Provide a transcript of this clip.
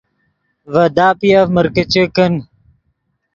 ڤے داپیف مرکیچے کن